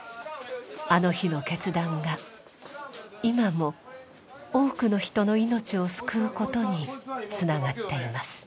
あの日の決断が今も多くの人の命を救うことにつながっています。